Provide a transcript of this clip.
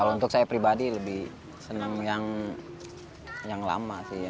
kalau untuk saya pribadi lebih senang yang lama sih ya